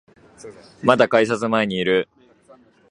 まだ改札前にいる